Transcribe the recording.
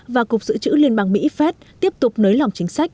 và cục dự trữ liên bang mỹ phép tiếp tục nới lỏng chính sách